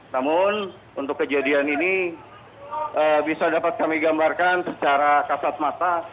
namun untuk kejadian ini bisa dapat kami gambarkan secara kasat mata